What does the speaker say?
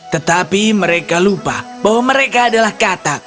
tetapi mereka lupa bahwa mereka adalah katak